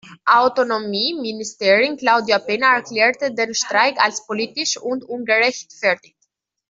Autonomie-Ministerin Claudia Peña erklärte den Streik als »politisch und ungerechtfertigt«.